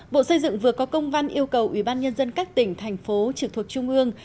bộ xây dựng vừa có công văn yêu cầu ủy ban nhân dân các tỉnh thành phố trực thuộc trung ương